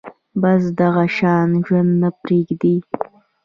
بس دغه شان ژوند نه پرېږدي